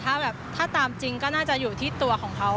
ถ้าแบบถ้าตามจริงก็น่าจะอยู่ที่ตัวของเขา